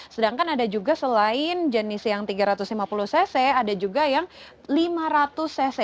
sedangkan ada juga selain jenis yang tiga ratus lima puluh cc ada juga yang lima ratus cc